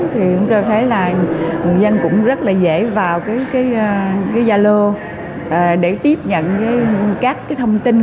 chúng tôi thấy là người dân cũng rất dễ vào gia lô để tiếp nhận các thông tin